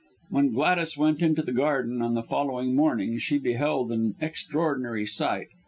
When Gladys went into the garden on the following morning she beheld an extraordinary sight.